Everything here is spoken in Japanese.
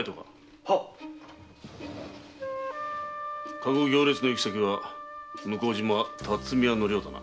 駕籠行列の行き先は向島辰巳屋の寮だな？